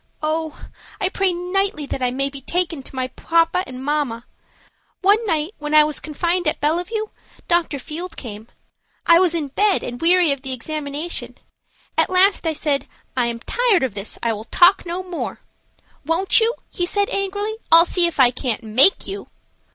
Oh! I pray nightly that I may be taken to my papa and mamma. One night, when I was confined at Bellevue, Dr. Field came; I was in bed, and weary of the examination. At last I said: 'I am tired of this. I will talk no more.' 'Won't you?' he said, angrily. 'I'll see if I can't make you.'